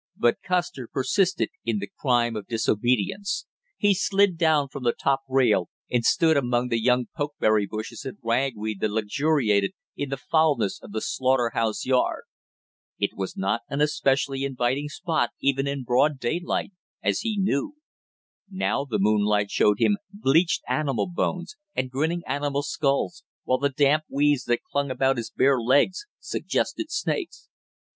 But Custer persisted in the crime of disobedience. He slid down from the top rail and stood among the young pokeberry bushes and ragweed that luxuriated in the foulness of the slaughter house yard. It was not an especially inviting spot even in broad day, as he knew. Now the moonlight showed him bleached animal bones and grinning animal skulls, while the damp weeds that clung about his bare legs suggested snakes.